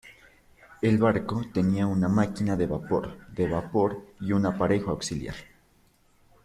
El barco tenía una máquina de vapor de vapor y un parejo auxiliar.